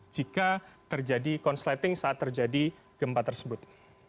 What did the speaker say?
jika terjadi konsleting saat terjadi gempa tersebut